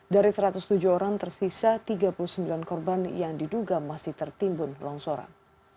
dari satu ratus tujuh orang tersisa tiga puluh sembilan korban yang diduga masih tertimbun longsoran